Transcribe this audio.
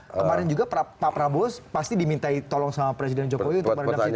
kemarin juga pak prabowo pasti dimintai tolong sama presiden jokowi untuk merendah situasi kan